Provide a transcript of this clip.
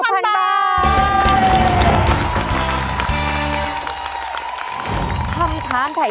ถ้าไม่พร้อมถ่ายความฝัน